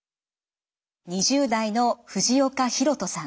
２０代の藤岡洋人さん。